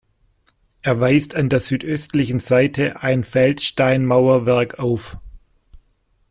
Er weist an der südöstlichen Seite ein Feldsteinmauerwerk auf.